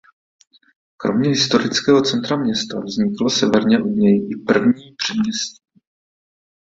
Kromě historického centra města vzniklo severně od něj i první předměstí.